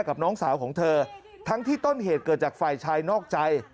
กับน้องสาวของเธอทั้งที่ต้นเหตุเกิดจากฝ่ายชายนอกใจ